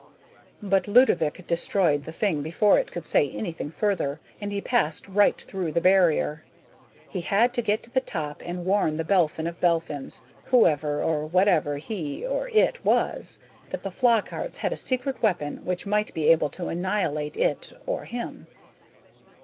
But Ludovick destroyed the thing before it could say anything further, and he passed right through the barrier. He had to get to the top and warn The Belphin of Belphins, whoever or whatever he (or it) was, that the Flockharts had a secret weapon which might be able to annihilate it (or him).